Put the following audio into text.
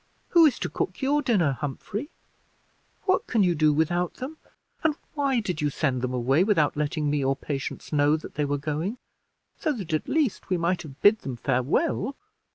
Who is to cook your dinner, Humphrey? What can you do without them, and why did you send them away without letting me or Patience know that they were going, so that at least we might have bid them farewell?"